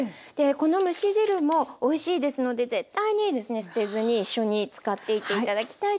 この蒸し汁もおいしいですので絶対にですね捨てずに一緒に使っていって頂きたいと思います。